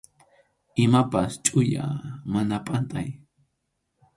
Imapas chʼuya, mana pantay.